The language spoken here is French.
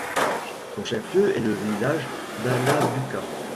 Son chef-lieu est le village d'Ala-Buka.